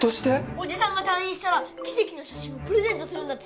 おじさんが退院したら奇跡の写真をプレゼントするんだって